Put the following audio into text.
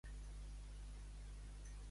De Tendrui, el dimoni en fuig.